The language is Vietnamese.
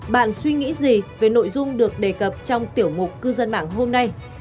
bạn suy nghĩ gì về nội dung được đề cập trong tiểu mục cư dân mạng hôm nay